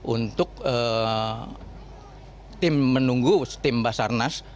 untuk tim menunggu tim basarnas